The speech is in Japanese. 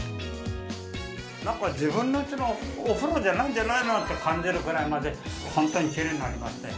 なんか自分のうちのお風呂じゃないんじゃないのって感じるくらいまでホントにきれいになりましたよ。